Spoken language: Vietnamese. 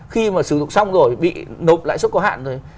khi mà sử dụng xong rồi bị đột lại xuất khóa hạn rồi